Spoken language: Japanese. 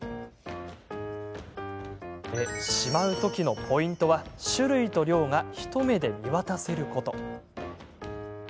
しまう時のポイントは種類と量が一目で見渡せること。